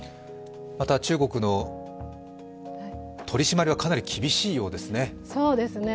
また中国の取締りはかなり厳しいようですね。